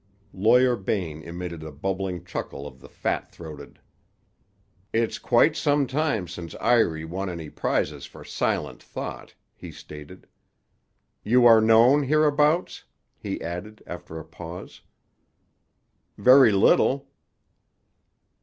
Lawyer Bain emitted the bubbling chuckle of the fat throated. "It's quite some time since Iry won any prizes for silent thought," he stated. "You are known, hereabouts?" he added, after a pause. "Very little."